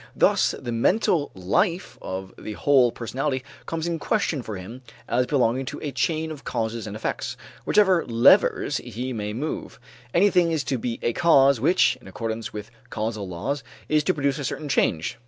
Thus the mental life of the whole personality comes in question for him as belonging to a chain of causes and effects; whichever levers he may move, everything is to be a cause which, in accordance with causal laws, is to produce a certain change.